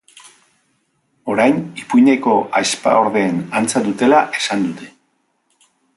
Orain, ipuineko ahizpaordeen antza dutela esan dute.